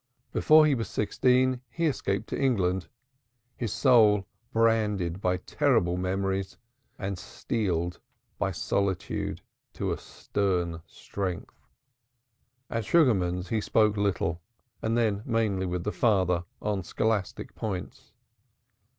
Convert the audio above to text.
Before he was sixteen, he escaped to England, his soul branded by terrible memories, and steeled by solitude to a stern strength. At Sugarman's he spoke little and then mainly with the father on scholastic points.